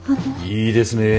いいですね。